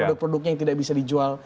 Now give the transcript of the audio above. produk produknya yang tidak bisa dijual